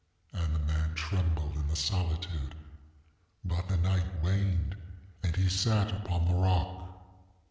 And the man trembled in the solitude; ŌĆöbut the night waned and he sat upon the rock.